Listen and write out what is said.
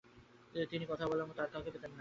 তিনি কথা বলার মত আর কাউকে পেতেন না।